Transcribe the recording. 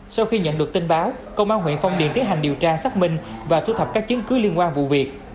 sau khi nhận được tin báo công an huyện phong điền tiến hành điều tra xác minh và thu thập các chứng cứ liên quan vụ việc